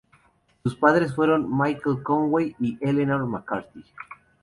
Sus padres fueron Michael Conway y Eleanor McCarthy.